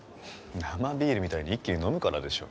生ビールみたいに一気に飲むからでしょ。